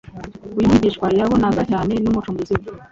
Uyu mwigishwa yabanaga cyane n’Umucunguzi we,